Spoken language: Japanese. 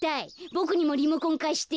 ボクにもリモコンかして。